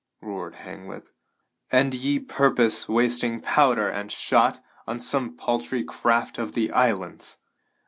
roared Hanglip. "And ye purpose wasting powder and shot on some paltry craft of the islands!